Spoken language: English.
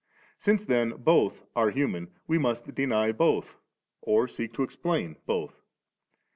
Since then both are human, we must deny both, or seek to explain both.